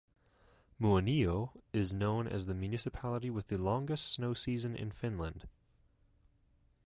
Muonio is known as the municipality with the longest snow season in Finland.